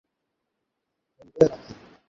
খেলবে না নাকি?